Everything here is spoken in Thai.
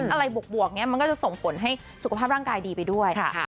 บวกนี้มันก็จะส่งผลให้สุขภาพร่างกายดีไปด้วย